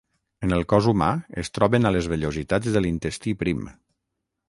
En el cos humà es troben a les vellositats de l'intestí prim.